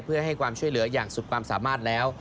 เพื่อให้ความช่วยเหลืออย่างสุดความสามารถแล้ว